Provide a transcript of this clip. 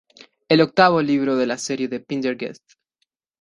Es el octavo libro de la serie de Pendergast.